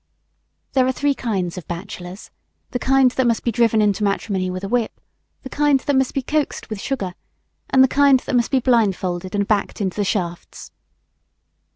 There are three kinds of bachelors: the kind that must be driven into matrimony with a whip; the kind that must be coaxed with sugar; and the kind that must be blindfolded and backed into the shafts.